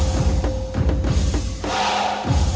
ตอนต่อไป